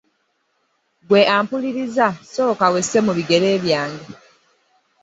Ggwe ampuliriza sooka wesse mu bigere bye.